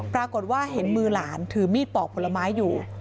ปรากฏว่าเห็นมือหลานถือมีดปอกผลไม้อยู่